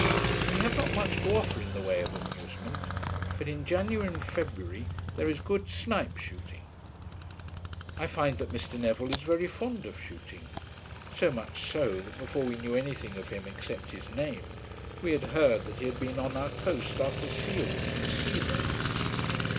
We have not much to offer in the way of amusement, but in January and February there is good snipe shooting. I find that Mr. Neville is very fond of shooting, so much so that before we knew anything of him except his name we had heard that he had been on our coast after seals and sea birds.